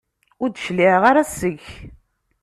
Ur d-cliɛeɣ ara seg-k.